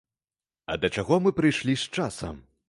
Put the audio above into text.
А да чаго мы прыйшлі з часам?